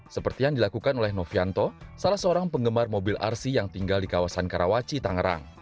seperti yang dilakukan oleh novianto salah seorang penggemar mobil rc yang tinggal di kawasan karawaci tangerang